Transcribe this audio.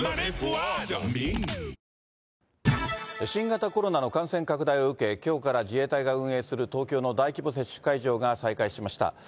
新型コロナの感染拡大を受け、きょうから自衛隊が運営する東京の大規模接種会場が再開しました。